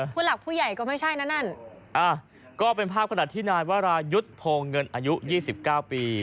ผู้หลักผู้ใหญ่ก็ไม่ใช่นะนั่นอ่ะก็เป็นภาพขณะที่นายวรายุทธ์โพงเงินอายุ๒๙ปี